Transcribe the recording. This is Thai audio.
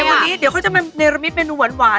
วันนี้เดี๋ยวเขาจะมาเนรมิตเมนูหวาน